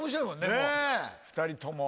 ２人とも。